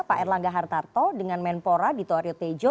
pak erlangga hartarto dengan menpora dito aryo tejo